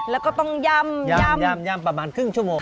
แล้วก็ต้องย่ำย่ำประมาณครึ่งชั่วโมง